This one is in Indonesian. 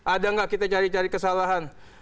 ada nggak kita cari cari kesalahan